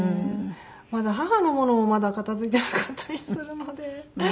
まだ母のものも片付いていなかったりするので。